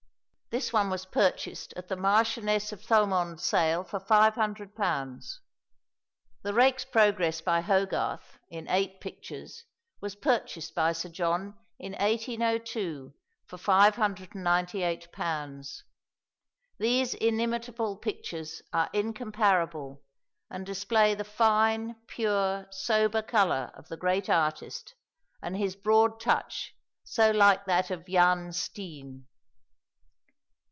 This one was purchased at the Marchioness of Thomond's sale for £500. The "Rake's Progress," by Hogarth, in eight pictures, was purchased by Sir John in 1802 for £598. These inimitable pictures are incomparable, and display the fine, pure, sober colour of the great artist, and his broad touch so like that of Jan Steen.